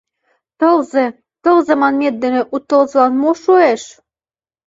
Тылзе, тылзе манмет дене у тылзылан мо шуэш?